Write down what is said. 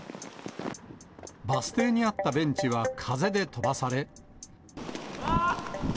バス停にあったベンチは風で飛ばされ。